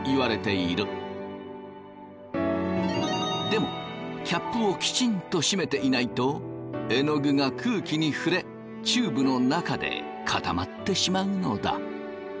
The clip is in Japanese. でもキャップをきちんと閉めていないとえのぐが空気に触れチューブの中で固まってしまうのだ。